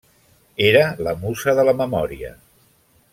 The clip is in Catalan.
Era la musa de la memòria.